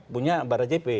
punya barang jp